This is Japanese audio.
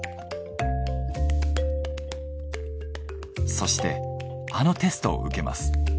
そしてあのテストを受けます。